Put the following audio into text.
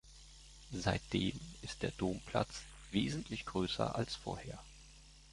Seitdem ist der Domplatz wesentlich größer als vorher.